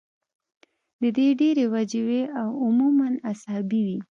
د دې ډېرې وجې وي او عموماً اعصابي وي